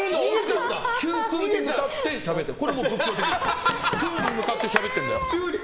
中空に向かってしゃべってるんだよ。